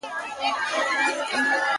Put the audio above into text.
ده هم وركړل انعامونه د ټگانو-